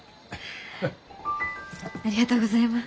ありがとうございます。